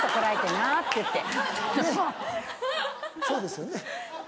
ねっそうですよね。